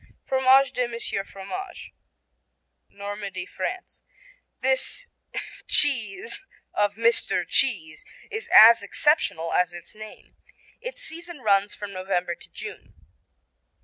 Fromage de Monsieur Fromage Normandy, France This Cheese of Mr. Cheese is as exceptional as its name. Its season runs from November to June.